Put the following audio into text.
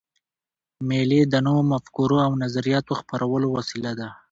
مېلې د نوو مفکورو او نظریاتو خپرولو وسیله ده.